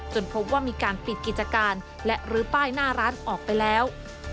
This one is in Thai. พบว่ามีการปิดกิจการและลื้อป้ายหน้าร้านออกไปแล้ว